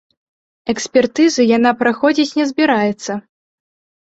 Экспертызу яна праходзіць не збіраецца.